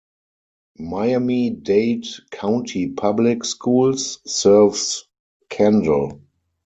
Miami-Dade County Public Schools serves Kendall.